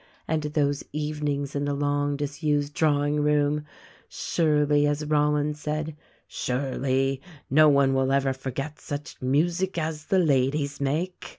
And those evenings in the long disused drawing room ! Surely, as Rol lins said, "Surely, no one will ever forget such music as the ladies make